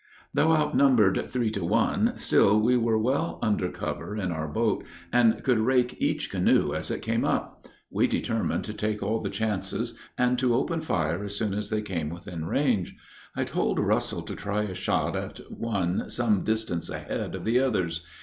Though outnumbered three to one, still we were well under cover in our boat, and could rake each canoe as it came up. We determined to take all the chances, and to open fire as soon as they came within range. I told Russell to try a shot at one some distance ahead of the others.